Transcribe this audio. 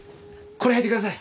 これ履いてください。